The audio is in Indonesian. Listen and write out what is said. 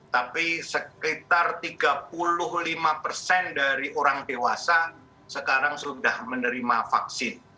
tapi sekitar tiga puluh lima persen dari orang dewasa sekarang sudah menerima vaksin